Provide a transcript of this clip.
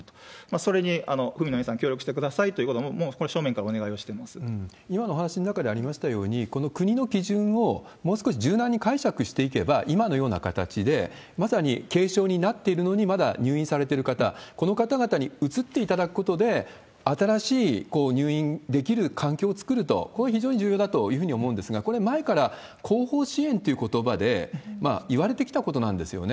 それに府民の皆さん協力してくださいと、もうこれ、今のお話の中でありましたように、この国の基準をもう少し柔軟に解釈していけば、今のような形で、まさに軽症になっているのにまだ入院されてる方、この方々に移っていただくことで、新しい入院できる環境を作ると、これ、非常に重要だと思うんですが、これは前から後方支援ということばで言われてきたことなんですよね。